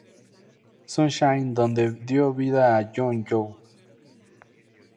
Sunshine donde dio vida a Joon-young.